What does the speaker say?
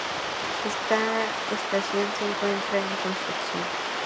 Esta estación se encuentra en construcción.